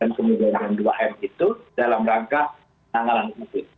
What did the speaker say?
dan kemudian yang dua m itu dalam rangka tanggalan covid